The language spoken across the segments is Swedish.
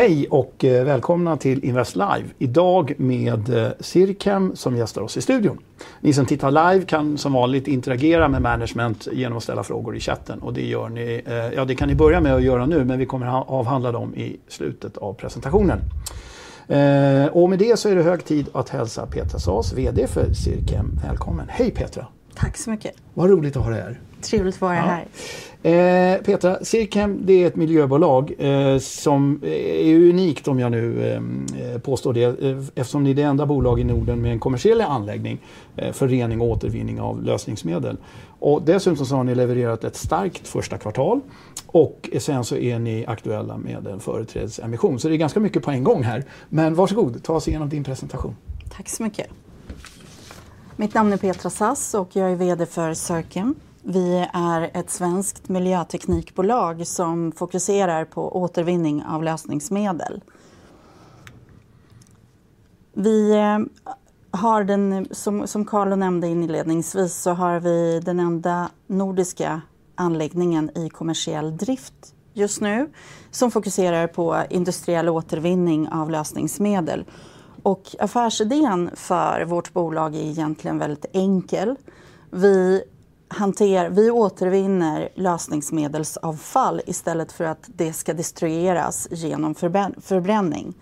Hej och välkomna till Invest Live. Idag med CirChem som gästar oss i studion. Ni som tittar live kan som vanligt interagera med management genom att ställa frågor i chatten, och det gör ni. Ja, det kan ni börja med att göra nu, men vi kommer att avhandla dem i slutet av presentationen. Och med det så är det hög tid att hälsa Petra Saas, VD för CirChem. Välkommen. Hej Petra. Tack så mycket. Vad roligt att ha dig här. Trevligt att vara här. CirChem är ett miljöbolag som är unikt, om jag nu påstår det, eftersom ni är det enda bolaget i Norden med en kommersiell anläggning för rening och återvinning av lösningsmedel. Dessutom så har ni levererat ett starkt första kvartal, och sen så är ni aktuella med en företrädesemission. Det är ganska mycket på en gång här. Men varsågod, ta oss igenom din presentation. Tack så mycket. Mitt namn är Petra Saas och jag är VD för CirChem. Vi är ett svenskt miljöteknikbolag som fokuserar på återvinning av lösningsmedel. Vi har den, som Carlo nämnde inledningsvis, så har vi den enda nordiska anläggningen i kommersiell drift just nu som fokuserar på industriell återvinning av lösningsmedel. Affärsidén för vårt bolag är egentligen väldigt enkel. Vi återvinner lösningsmedelsavfall istället för att det ska destrueras genom förbränning.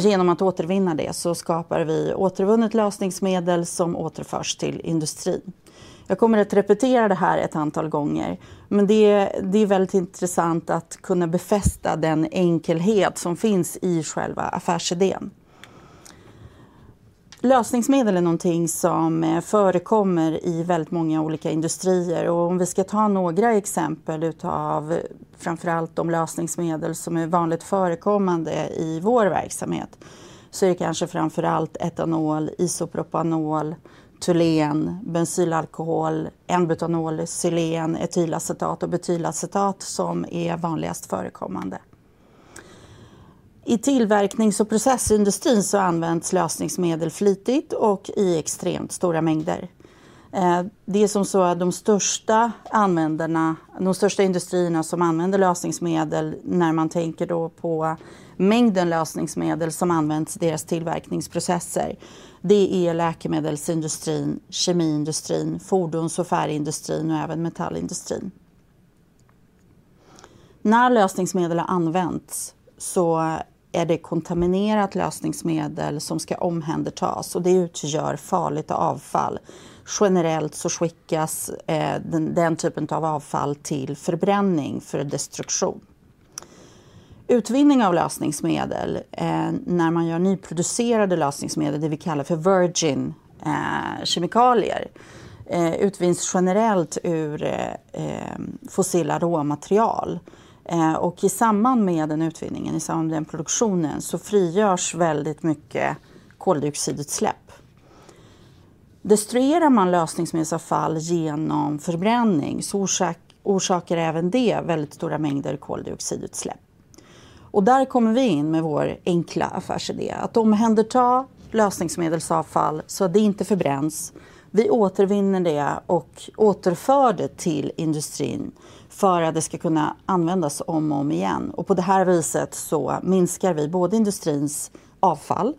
Genom att återvinna det så skapar vi återvunnet lösningsmedel som återförs till industrin. Jag kommer att repetera det här ett antal gånger, men det är väldigt intressant att kunna befästa den enkelhet som finns i själva affärsidén. Lösningsmedel är någonting som förekommer i väldigt många olika industrier, och om vi ska ta några exempel av framför allt de lösningsmedel som är vanligt förekommande i vår verksamhet så är det kanske framför allt etanol, isopropanol, toluen, bensylalkohol, n-butanol, xylen, etylacetat och butylacetat som är vanligast förekommande. I tillverknings- och processindustrin så används lösningsmedel flitigt och i extremt stora mängder. Det som så är de största användarna, de största industrierna som använder lösningsmedel när man tänker då på mängden lösningsmedel som används i deras tillverkningsprocesser, det är läkemedelsindustrin, kemiindustrin, fordons- och färgindustrin och även metallindustrin. När lösningsmedel har använts så är det kontaminerat lösningsmedel som ska omhändertas, och det utgör farligt avfall. Generellt så skickas den typen av avfall till förbränning för destruktion. Utvinning av lösningsmedel, när man gör nyproducerade lösningsmedel, det vi kallar för virgin kemikalier, utvinns generellt ur fossila råmaterial. Och i samband med den utvinningen, i samband med den produktionen, så frigörs väldigt mycket koldioxidutsläpp. Destruerar man lösningsmedelsavfall genom förbränning så orsakar även det väldigt stora mängder koldioxidutsläpp. Och där kommer vi in med vår enkla affärsidé att omhänderta lösningsmedelsavfall så att det inte förbränns. Vi återvinner det och återför det till industrin för att det ska kunna användas om och om igen. På det här viset så minskar vi både industrins avfall,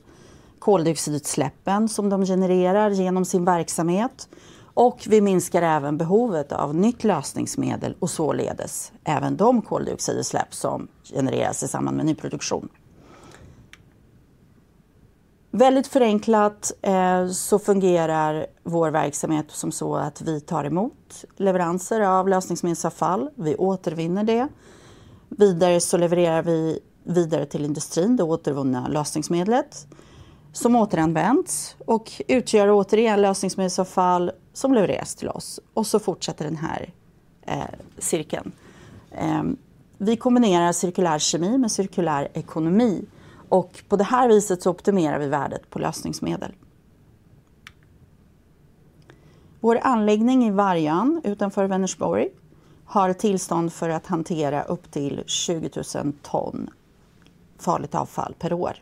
koldioxidutsläppen som de genererar genom sin verksamhet, och vi minskar även behovet av nytt lösningsmedel och således även de koldioxidutsläpp som genereras i samband med nyproduktion. Väldigt förenklat så fungerar vår verksamhet som så att vi tar emot leveranser av lösningsmedelsavfall, vi återvinner det. Vidare så levererar vi vidare till industrin det återvunna lösningsmedlet som återanvänds och utgör återigen lösningsmedelsavfall som levereras till oss. Så fortsätter den här cirkeln. Vi kombinerar cirkulär kemi med cirkulär ekonomi, och på det här viset optimerar vi värdet på lösningsmedel. Vår anläggning i Vargön utanför Vänersborg har tillstånd för att hantera upp till 20 000 ton farligt avfall per år.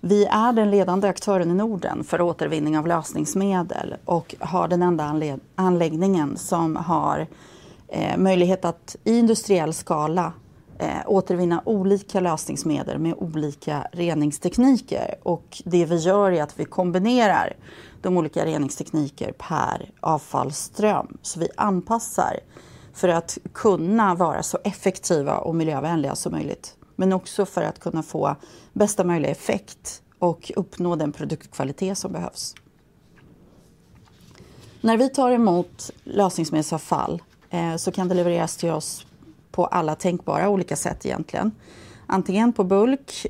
Vi är den ledande aktören i Norden för återvinning av lösningsmedel och har den enda anläggningen som har möjlighet att i industriell skala återvinna olika lösningsmedel med olika reningstekniker. Det vi gör är att vi kombinerar de olika reningstekniker per avfallsström. Vi anpassar för att kunna vara så effektiva och miljövänliga som möjligt, men också för att kunna få bästa möjliga effekt och uppnå den produktkvalitet som behövs. När vi tar emot lösningsmedelsavfall kan det levereras till oss på alla tänkbara olika sätt. Antingen på bulk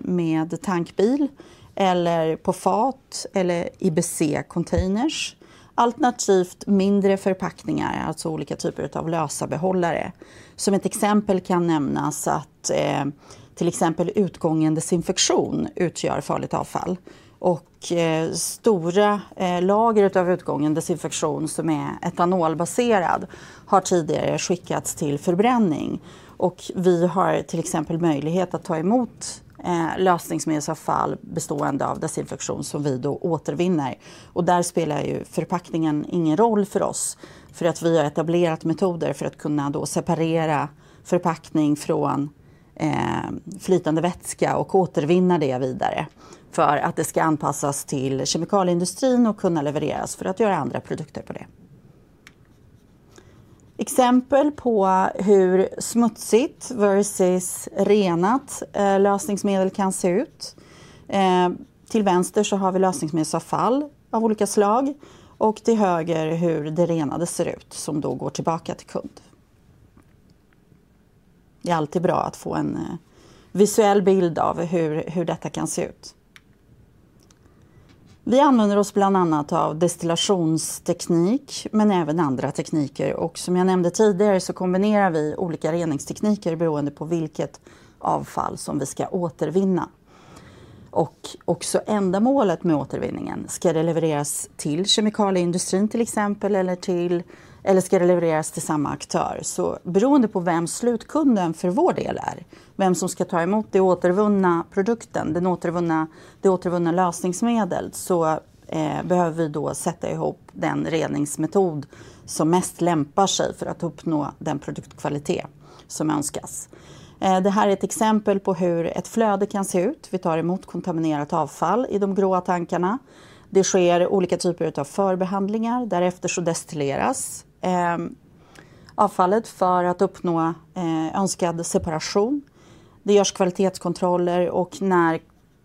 med tankbil eller på fat eller i BC-containers. Alternativt mindre förpackningar, alltså olika typer av lösa behållare. Som ett exempel kan nämnas att till exempel utgången desinfektion utgör farligt avfall. Stora lager av utgången desinfektion som är etanolbaserad har tidigare skickats till förbränning. Vi har till exempel möjlighet att ta emot lösningsmedelsavfall bestående av desinfektion som vi då återvinner. Där spelar förpackningen ingen roll för oss, för att vi har etablerat metoder för att kunna separera förpackning från flytande vätska och återvinna det vidare för att det ska anpassas till kemikalieindustrin och kunna levereras för att göra andra produkter på det. Exempel på hur smutsigt versus renat lösningsmedel kan se ut. Till vänster så har vi lösningsmedelsavfall av olika slag, och till höger hur det renade ser ut som då går tillbaka till kund. Det är alltid bra att få en visuell bild av hur detta kan se ut. Vi använder oss bland annat av destillationsteknik, men även andra tekniker. Och som jag nämnde tidigare så kombinerar vi olika reningstekniker beroende på vilket avfall som vi ska återvinna. Och också ändamålet med återvinningen. Ska det levereras till kemikalieindustrin till exempel, eller ska det levereras till samma aktör? Beroende på vem slutkunden för vår del är, vem som ska ta emot det återvunna produkten, det återvunna lösningsmedlet, så behöver vi då sätta ihop den reningsmetod som mest lämpar sig för att uppnå den produktkvalitet som önskas. Det här är ett exempel på hur ett flöde kan se ut. Vi tar emot kontaminerat avfall i de gråa tankarna. Det sker olika typer av förbehandlingar. Därefter så destilleras avfallet för att uppnå önskad separation. Det görs kvalitetskontroller, och när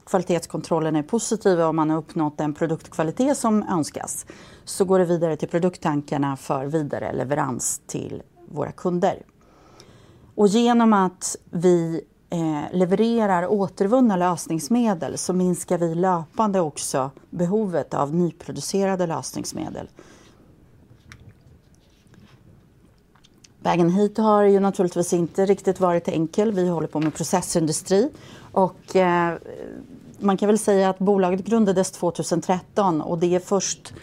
kvalitetskontrollerna är positiva, om man har uppnått den produktkvalitet som önskas, så går det vidare till produkttankarna för vidare leverans till våra kunder. Och genom att vi levererar återvunna lösningsmedel så minskar vi löpande också behovet av nyproducerade lösningsmedel. Vägen hit har naturligtvis inte riktigt varit enkel. Vi håller på med processindustri, och man kan säga att bolaget grundades 2013, och det är först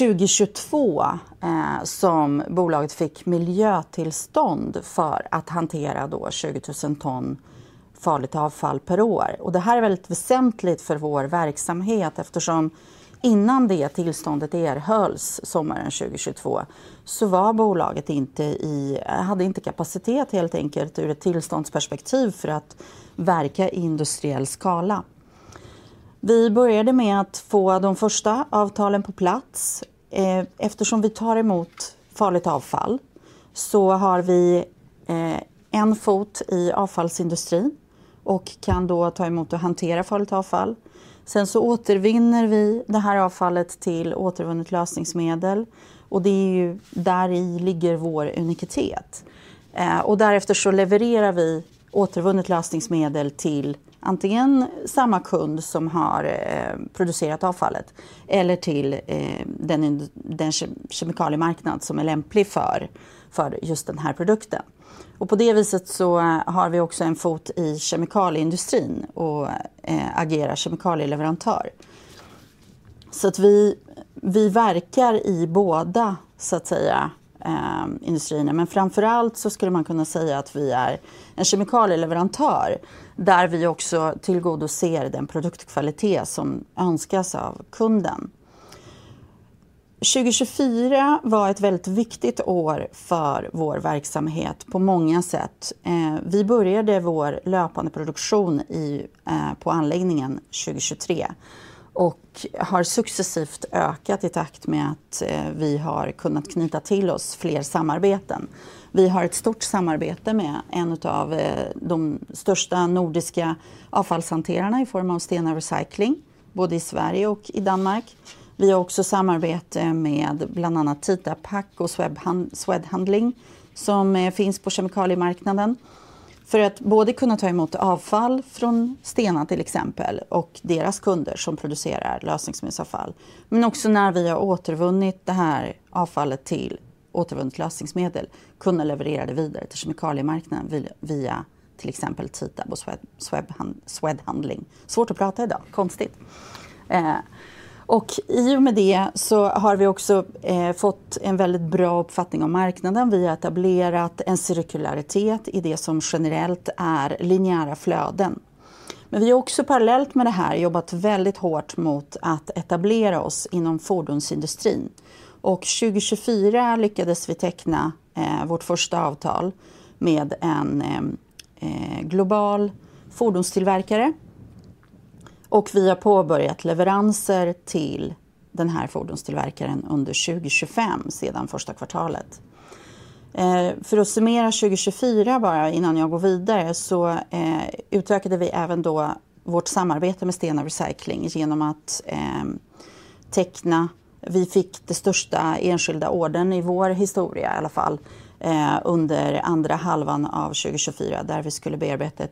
2022 som bolaget fick miljötillstånd för att hantera då 20,000 ton farligt avfall per år. Det här är väldigt väsentligt för vår verksamhet, eftersom innan det tillståndet erhölls sommaren 2022 så hade bolaget inte kapacitet helt enkelt ur ett tillståndsperspektiv för att verka i industriell skala. Vi började med att få de första avtalen på plats. Eftersom vi tar emot farligt avfall så har vi en fot i avfallsindustrin och kan då ta emot och hantera farligt avfall. Sen så återvinner vi det här avfallet till återvunnet lösningsmedel, och det är där vår unikitet ligger. Och därefter så levererar vi återvunnet lösningsmedel till antingen samma kund som har producerat avfallet eller till den kemikaliemarknad som är lämplig för just den här produkten. På det viset har vi också en fot i kemikalieindustrin och agerar kemikalieleverantör. Vi verkar i båda industrierna, men framför allt skulle man kunna säga att vi är en kemikalieleverantör där vi också tillgodoser den produktkvalitet som önskas av kunden. 2024 var ett väldigt viktigt år för vår verksamhet på många sätt. Vi började vår löpande produktion på anläggningen 2023 och har successivt ökat i takt med att vi har kunnat knyta till oss fler samarbeten. Vi har ett stort samarbete med en av de största nordiska avfallshanterarna i form av Stena Recycling, både i Sverige och i Danmark. Vi har också samarbete med bland annat Tita Pack och Swedhandling som finns på kemikaliemarknaden för att både kunna ta emot avfall från Stena till exempel och deras kunder som producerar lösningsmedelsavfall, men också när vi har återvunnit det här avfallet till återvunnet lösningsmedel kunna leverera det vidare till kemikaliemarknaden via till exempel Tita och Swedhandling. Konstigt. I och med det så har vi också fått en väldigt bra uppfattning om marknaden. Vi har etablerat en cirkularitet i det som generellt är linjära flöden. Men vi har också parallellt med det här jobbat väldigt hårt mot att etablera oss inom fordonsindustrin. 2024 lyckades vi teckna vårt första avtal med en global fordonstillverkare. Vi har påbörjat leveranser till den här fordonstillverkaren under 2025, sedan första kvartalet. För att summera 2024 bara, innan jag går vidare, så utökade vi även då vårt samarbete med Stena Recycling genom att teckna. Vi fick det största enskilda ordern i vår historia i alla fall under andra halvan av 2024, där vi skulle bearbeta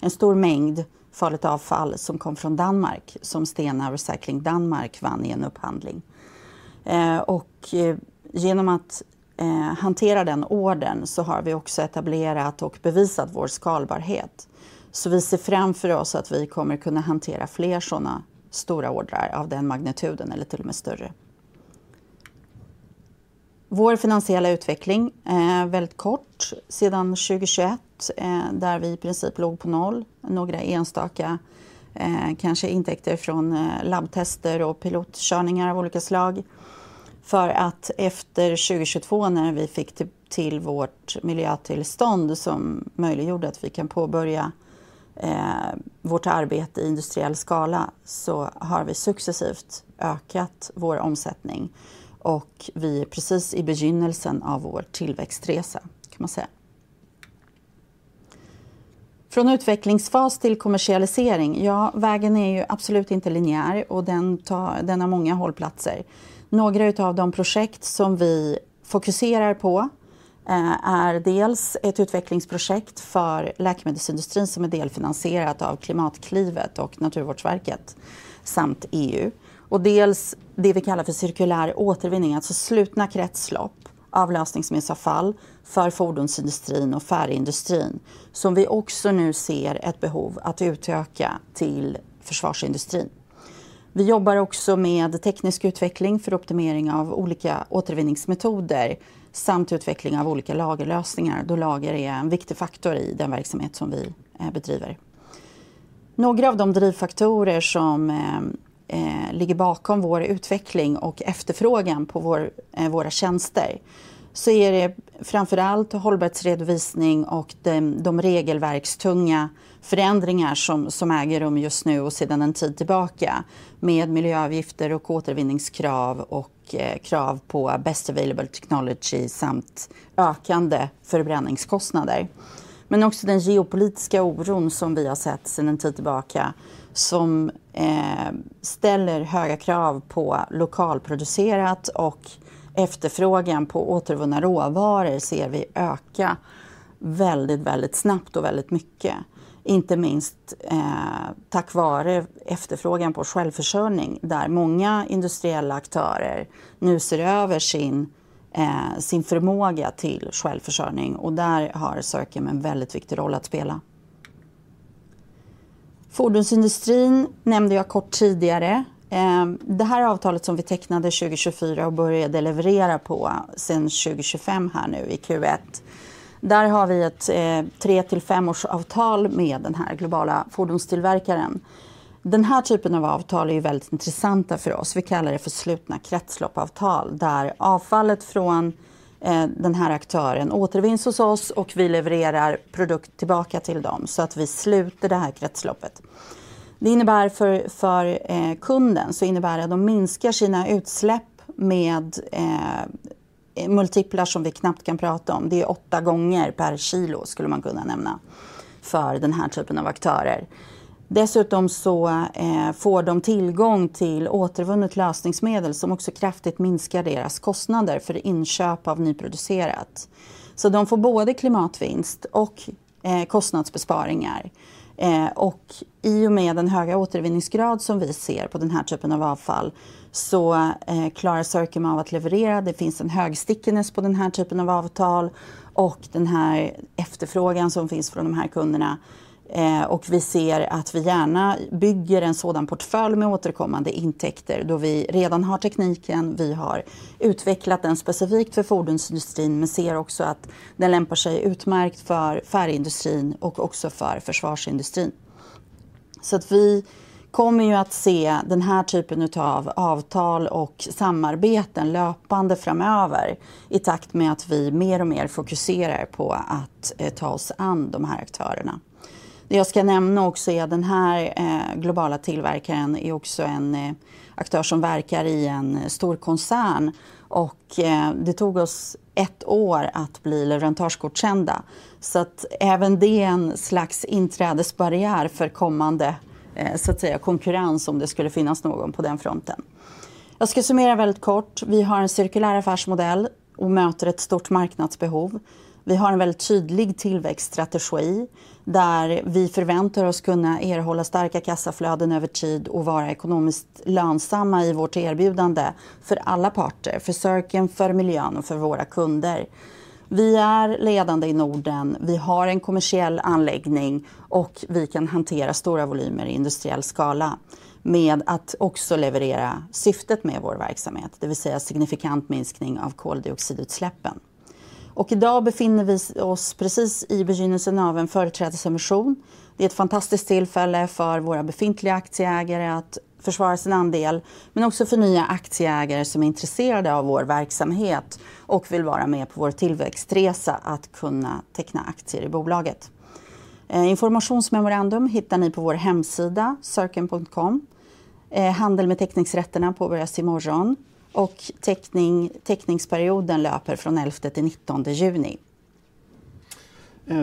en stor mängd farligt avfall som kom från Danmark som Stena Recycling Danmark vann i en upphandling. Genom att hantera den ordern så har vi också etablerat och bevisat vår skalbarhet. Vi ser framför oss att vi kommer kunna hantera fler sådana stora ordrar av den magnituden eller till och med större. Vår finansiella utveckling är väldigt kort sedan 2021, där vi i princip låg på noll. Några enstaka kanske intäkter från labbtester och pilotkörningar av olika slag. För att efter 2022, när vi fick till vårt miljötillstånd som möjliggjorde att vi kan påbörja vårt arbete i industriell skala, så har vi successivt ökat vår omsättning. Vi är precis i begynnelsen av vår tillväxtresa, kan man säga. Från utvecklingsfas till kommersialisering. Vägen är absolut inte linjär och den har många hållplatser. Några av de projekt som vi fokuserar på är dels ett utvecklingsprojekt för läkemedelsindustrin som är delfinansierat av Klimatklivet och Naturvårdsverket samt EU. Dels det vi kallar för cirkulär återvinning, alltså slutna kretslopp av lösningsmedelsavfall för fordonsindustrin och färgindustrin som vi också nu ser ett behov att utöka till försvarsindustrin. Vi jobbar också med teknisk utveckling för optimering av olika återvinningsmetoder samt utveckling av olika lagerlösningar, då lager är en viktig faktor i den verksamhet som vi bedriver. Några av de drivfaktorer som ligger bakom vår utveckling och efterfrågan på våra tjänster så är det framför allt hållbarhetsredovisning och de regelverkstunga förändringar som äger rum just nu och sedan en tid tillbaka med miljöavgifter och återvinningskrav och krav på best available technology samt ökande förbränningskostnader. Men också den geopolitiska oron som vi har sett sedan en tid tillbaka som ställer höga krav på lokalproducerat och efterfrågan på återvunna råvaror ser vi öka väldigt, väldigt snabbt och väldigt mycket. Inte minst tack vare efterfrågan på självförsörjning där många industriella aktörer nu ser över sin förmåga till självförsörjning och där har CirChem en väldigt viktig roll att spela. Fordonsindustrin nämnde jag kort tidigare. Det här avtalet som vi tecknade 2024 och började leverera på sedan 2025 här nu i Q1, där har vi ett tre till fem års avtal med den här globala fordonstillverkaren. Den här typen av avtal är ju väldigt intressanta för oss. Vi kallar det för slutna kretsloppsavtal där avfallet från den här aktören återvinns hos oss och vi levererar produkt tillbaka till dem så att vi sluter det här kretsloppet. Det innebär för kunden så innebär det att de minskar sina utsläpp med multiplar som vi knappt kan prata om. Det är åtta gånger per kilo skulle man kunna nämna för den här typen av aktörer. Dessutom så får de tillgång till återvunnet lösningsmedel som också kraftigt minskar deras kostnader för inköp av nyproducerat. Så de får både klimatvinst och kostnadsbesparingar. I och med den höga återvinningsgrad som vi ser på den här typen av avfall så klarar CirChem av att leverera. Det finns en hög stickiness på den här typen av avtal och den här efterfrågan som finns från de här kunderna. Och vi ser att vi gärna bygger en sådan portfölj med återkommande intäkter då vi redan har tekniken. Vi har utvecklat den specifikt för fordonsindustrin men ser också att den lämpar sig utmärkt för färgindustrin och också för försvarsindustrin. Vi kommer ju att se den här typen av avtal och samarbeten löpande framöver i takt med att vi mer och mer fokuserar på att ta oss an de här aktörerna. Det jag ska nämna också är att den här globala tillverkaren är också en aktör som verkar i en stor koncern och det tog oss ett år att bli leverantörsgodkända. Även det är en slags inträdesbarriär för kommande konkurrens om det skulle finnas någon på den fronten. Jag ska summera väldigt kort. Vi har en cirkulär affärsmodell och möter ett stort marknadsbehov. Vi har en väldigt tydlig tillväxtstrategi där vi förväntar oss kunna erhålla starka kassaflöden över tid och vara ekonomiskt lönsamma i vårt erbjudande för alla parter, för CirChem, för miljön och för våra kunder. Vi är ledande i Norden. Vi har en kommersiell anläggning och vi kan hantera stora volymer i industriell skala med att också leverera syftet med vår verksamhet, det vill säga signifikant minskning av koldioxidutsläppen. Idag befinner vi oss precis i begynnelsen av en företrädesemission. Det är ett fantastiskt tillfälle för våra befintliga aktieägare att försvara sin andel, men också för nya aktieägare som är intresserade av vår verksamhet och vill vara med på vår tillväxtresa att kunna teckna aktier i bolaget. Informationsmemorandum hittar ni på vår hemsida circhem.com. Handel med teckningsrätterna påbörjas imorgon och teckningsperioden löper från 11 till 19 juni.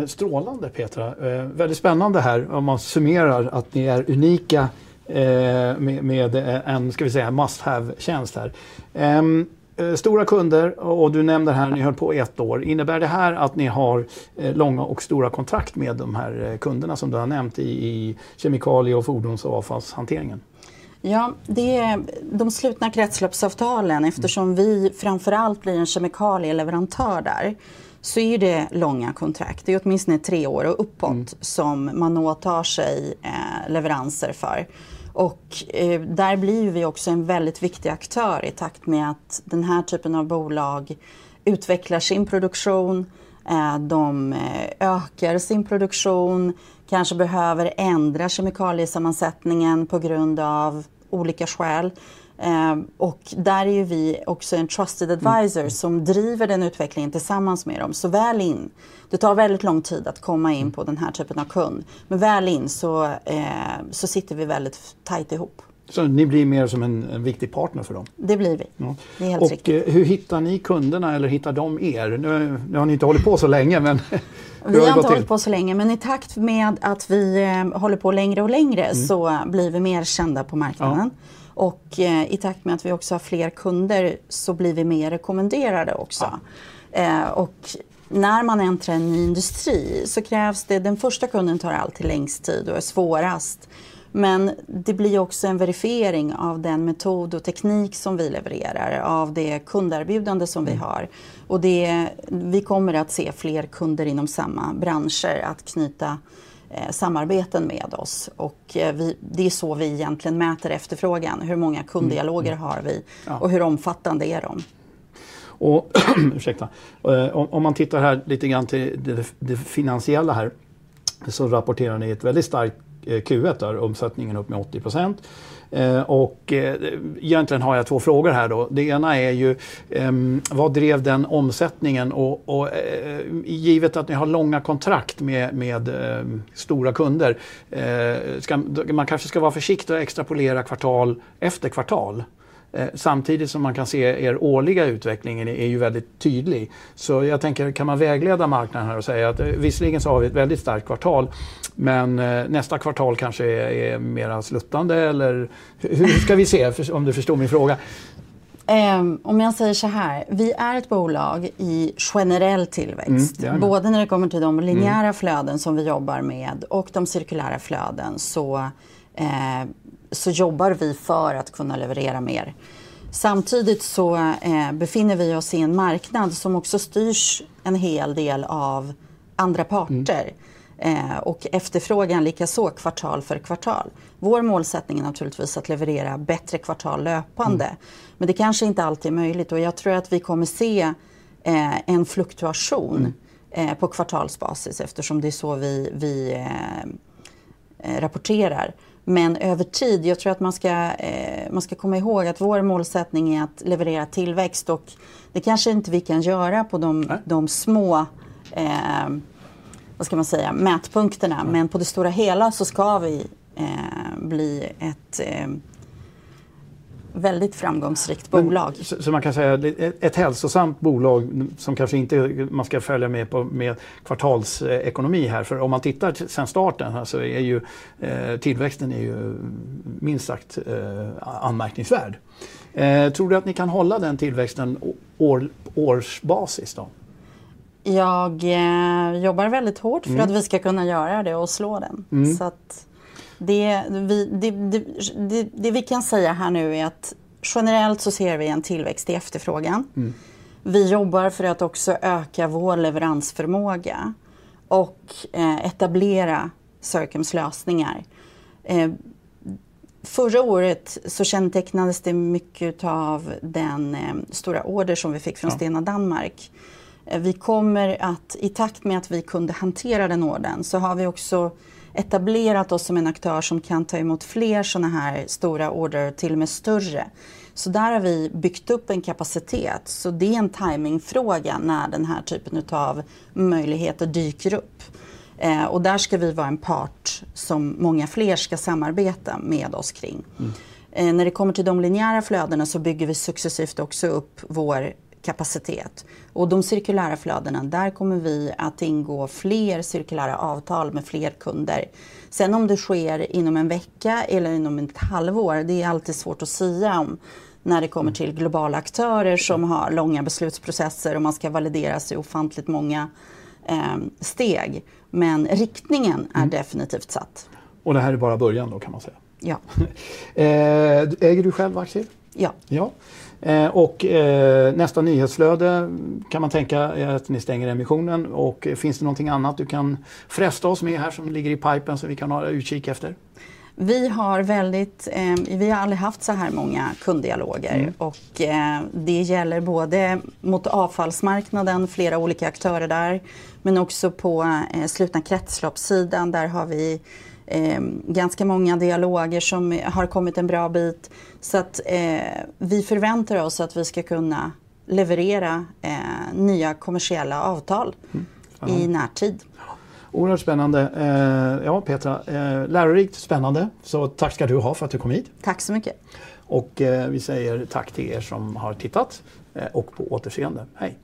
Strålande, Petra. Väldigt spännande här. Om man summerar att ni är unika med en, ska vi säga, must-have-tjänst här. Stora kunder och du nämnde det här, ni höll på i ett år. Innebär det här att ni har långa och stora kontrakt med de här kunderna som du har nämnt i kemikalie- och fordonsavfallshanteringen? Ja, det är de slutna kretsloppsavtalen. Eftersom vi framför allt blir en kemikalieleverantör där så är det långa kontrakt. Det är åtminstone tre år och uppåt som man åtar sig leveranser för. Där blir vi också en väldigt viktig aktör i takt med att den här typen av bolag utvecklar sin produktion. De ökar sin produktion, kanske behöver ändra kemikaliesammansättningen på grund av olika skäl. Där är ju vi också en trusted advisor som driver den utvecklingen tillsammans med dem. Så väl in. Det tar väldigt lång tid att komma in på den här typen av kund. Men väl in så sitter vi väldigt tätt ihop. Så ni blir mer som en viktig partner för dem? Det blir vi. Det är helt riktigt. Och hur hittar ni kunderna eller hittar de er? Nu har ni inte hållit på så länge, men... Vi har inte hållit på så länge, men i takt med att vi håller på längre och längre så blir vi mer kända på marknaden. Och i takt med att vi också har fler kunder så blir vi mer rekommenderade också. Och när man entrar en ny industri så krävs det... Den första kunden tar alltid längst tid och är svårast. Men det blir också en verifiering av den metod och teknik som vi levererar, av det kunderbjudande som vi har. Och det vi kommer att se är fler kunder inom samma branscher att knyta samarbeten med oss. Och vi, det är så vi egentligen mäter efterfrågan. Hur många kunddialoger har vi och hur omfattande är de? Ursäkta, om man tittar här lite grann till det finansiella här så rapporterar ni ett väldigt starkt Q1 där. Omsättningen är upp med 80%. Egentligen har jag två frågor här då. Det ena är ju vad drev den omsättningen? Givet att ni har långa kontrakt med stora kunder, ska man kanske vara försiktig och extrapolera kvartal efter kvartal, samtidigt som man kan se årliga utveckling är ju väldigt tydlig. Så jag tänker, kan man vägleda marknaden här och säga att visserligen så har vi ett väldigt starkt kvartal, men nästa kvartal kanske är mer sluttande? Eller hur ska vi se om du förstår min fråga? Om jag säger så här, vi är ett bolag i generell tillväxt. Både när det kommer till de linjära flöden som vi jobbar med och de cirkulära flöden så jobbar vi för att kunna leverera mer. Samtidigt så befinner vi oss i en marknad som också styrs en hel del av andra parter och efterfrågan likaså kvartal för kvartal. Vår målsättning är naturligtvis att leverera bättre kvartal löpande. Men det kanske inte alltid är möjligt. Jag tror att vi kommer se en fluktuation på kvartalsbasis eftersom det är så vi rapporterar. Men över tid, jag tror att man ska komma ihåg att vår målsättning är att leverera tillväxt. Det kanske inte vi kan göra på de små, vad ska man säga, mätpunkterna. Men på det stora hela så ska vi bli ett väldigt framgångsrikt bolag. Man kan säga ett hälsosamt bolag som kanske inte man ska följa med på kvartalsekonomi här. För om man tittar sedan starten här så är ju tillväxten minst sagt anmärkningsvärd. Tror du att ni kan hålla den tillväxten på årsbasis då? Jag jobbar väldigt hårt för att vi ska kunna göra det och slå den. Det vi kan säga här nu är att generellt så ser vi en tillväxt i efterfrågan. Vi jobbar för att också öka vår leveransförmåga och etablera CirChems lösningar. Förra året så kännetecknades det mycket av den stora order som vi fick från Stena Danmark. Vi kommer att i takt med att vi kunde hantera den ordern så har vi också etablerat oss som en aktör som kan ta emot fler sådana här stora order, till och med större. Så där har vi byggt upp en kapacitet. Det är en timingfråga när den här typen av möjligheter dyker upp. Och där ska vi vara en part som många fler ska samarbeta med oss kring. När det kommer till de linjära flödena så bygger vi successivt också upp vår kapacitet. Och de cirkulära flödena, där kommer vi att ingå fler cirkulära avtal med fler kunder. Sen om det sker inom en vecka eller inom ett halvår, det är alltid svårt att sia om när det kommer till globala aktörer som har långa beslutsprocesser och man ska valideras i ofantligt många steg. Men riktningen är definitivt satt. Och det här är bara början då kan man säga. Ja. Äger du själv aktier? Ja. Ja. Och nästa nyhetsflöde kan man tänka är att ni stänger emissionen. Och finns det någonting annat du kan fresta oss med här som ligger i pipen som vi kan hålla utkik efter? Vi har väldigt, vi har aldrig haft så här många kunddialoger. Och det gäller både mot avfallsmarknaden, flera olika aktörer där, men också på slutna kretsloppssidan. Där har vi ganska många dialoger som har kommit en bra bit. Så att vi förväntar oss att vi ska kunna leverera nya kommersiella avtal i närtid. Oerhört spännande. Petra, lärorikt, spännande. Så tack ska du ha för att du kom hit. Tack så mycket. Och vi säger tack till som har tittat och på återseende. Hej.